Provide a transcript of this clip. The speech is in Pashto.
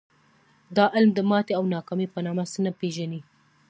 دا علم د ماتې او ناکامۍ په نامه څه نه پېژني